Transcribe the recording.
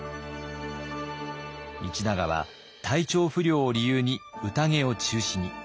道長は体調不良を理由に宴を中止に。